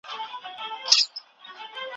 پر حجره یې لکه مار وګرځېدمه